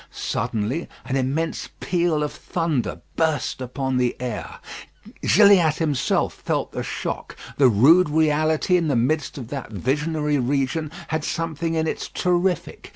Suddenly an immense peal of thunder burst upon the air. Gilliatt himself felt the shock. The rude reality in the midst of that visionary region has something in it terrific.